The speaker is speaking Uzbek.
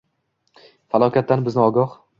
Falokatdan bizni ogoh